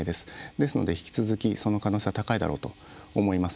ですので、引き続きその可能性は高いだろうと思います。